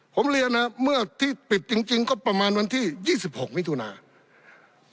ผมเรียนนะครับเมื่อที่ปิดจริงก็ประมาณวันที่๒๖มิถุนา